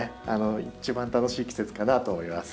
一番楽しい季節かなと思います。